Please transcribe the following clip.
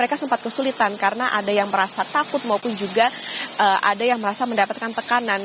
mereka sempat kesulitan karena ada yang merasa takut maupun juga ada yang merasa mendapatkan tekanan